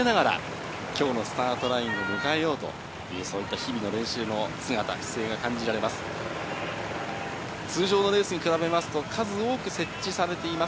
日々の練習から気持ちを高めながら今日のスタートラインを迎えようという日々の練習の姿、姿勢が感じられます。